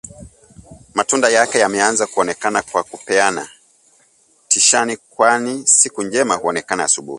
matunda yake yameanzakuonekana kwa kupeana tishati kwani siku njema huonekana asubuhi